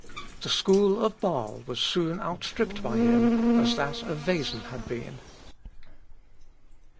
The school of Bâle was soon outstripped by him as that of Wesen had been.